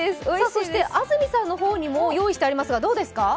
安住さんの方にも用意してありますが、いかがですか。